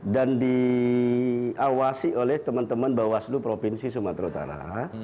dan diawasi oleh teman teman bawaslu provinsi sumatera utara